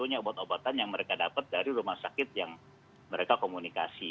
dan juga tentunya obat obatan yang mereka dapat dari rumah sakit yang mereka komunikasi